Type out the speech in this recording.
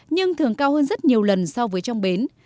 nhưng thường cao hơn rất nhiều lần so với trong bến